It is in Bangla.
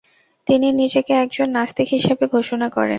তিনি নিজেকে একজন নাস্তিক হিসাবে ঘোষণা করেন।